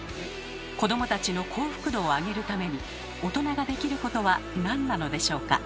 子どもたちの幸福度を上げるために大人ができることはなんなのでしょうか？